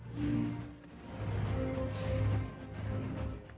setelah ig lalu g unless